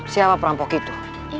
siapa perampok itu